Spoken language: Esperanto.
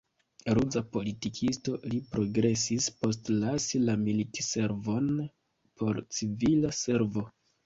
Ruza politikisto, li progresis post lasi la militservon por civila servo.